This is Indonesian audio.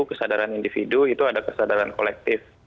kesadaran individu itu ada kesadaran kolektif